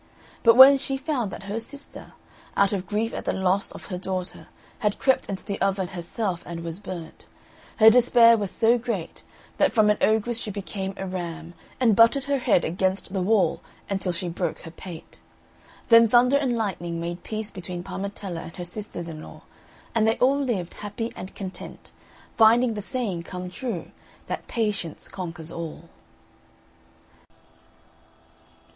But when she found that her sister, out of grief at the loss of her daughter, had crept into the oven herself and was burnt, her despair was so great, that from an ogress she became a ram, and butted her head against the wall under she broke her pate. Then Thunder and Lightning made peace between Parmetella and her sisters in law, and they all lived happy and content, finding the saying come true, that "Patience conquers all."